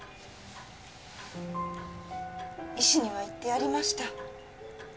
石には言ってやりました。